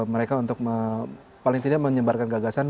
mereka untuk paling tidak menyebarkan gagasan